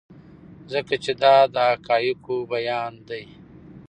ځکه چې دا د حقایقو بیان دی.